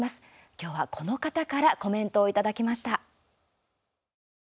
今日はこの方からコメントをいただきました。